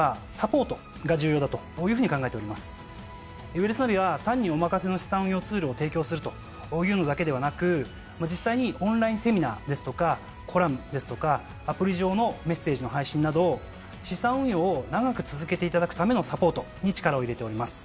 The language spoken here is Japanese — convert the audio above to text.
ウェルスナビは単にお任せの資産運用ツールを提供するというのだけではなく実際にオンラインセミナーですとかコラムですとかアプリ上のメッセージの配信など資産運用を長く続けていただくためのサポートに力を入れております。